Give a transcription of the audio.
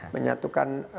menyatukan harapan kita hope